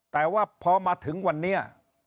แต่ว่าพอมาถึงวันนี้